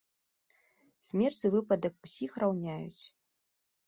Смерць і выпадак усіх раўняюць.